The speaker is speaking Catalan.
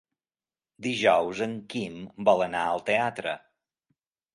Dijous en Quim vol anar al teatre.